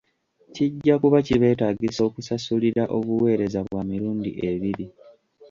Kijja kuba kibeetaagisa okusasulira obuweereza bwa mirundi ebiri.